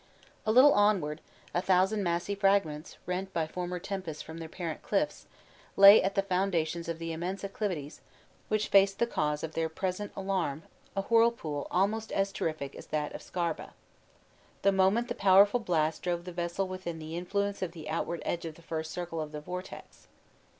A little onward, a thousand massy fragments, rent by former tempests from their parent cliffs, lay at the foundations of the immense acclivities which faced the cause of their present alarm a whirlpool almost as terrific as that of Scarba. The moment the powerful blast drove the vessel within the influence of the outward edge of the first circle of the vortex.